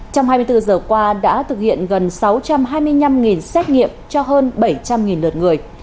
trong hai mươi bốn giờ qua đã thực hiện gần sáu trăm hai mươi năm xét nghiệm cho hơn bảy trăm linh lượt người